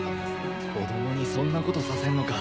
子供にそんなことさせんのか。